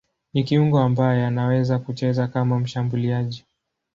Ni kiungo ambaye anaweza kucheza kama mshambuliaji.